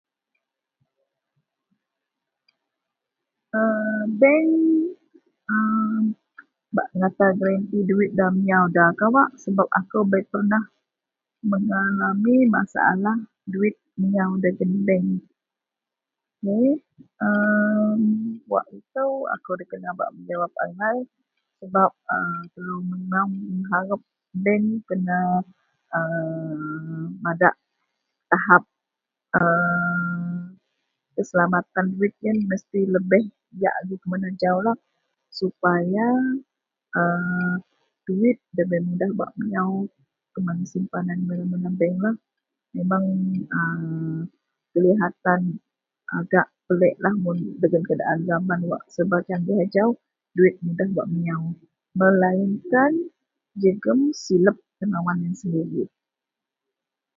A bank a bak mengata gerenti duwit nda miyau nda kawak sebab akou bei penah mengalami masalah duwit miyau dagen bank eh.. A wak itou ako nda kena menjawab angai sebab a telou mengeng mengharep bank kena a madak tahap a keselamatan duwit yen mesti lebeh diyak agei kuman ajaulah supaya a duwit ndabei nda mudah bak miyau keman simpanan mana-mana banklah. A memang a kelihatan agak peliklah mun a dagen keadaan jaman wak serba canggih ajau duwit mudah bak miyau melainkan jegem silep tenawan sendirik.